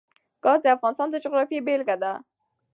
ګاز د افغانستان د جغرافیې بېلګه ده.